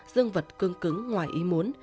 dương vật cương cứng ngoài ý muốn